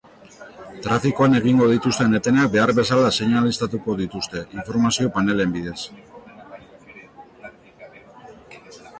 Trafikoan egingo dituzten etenak behar bezala seinaleztatuko dituzte, informazio panelen bidez.